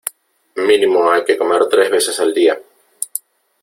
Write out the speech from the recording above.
Mínimo hay que comer tres veces al día.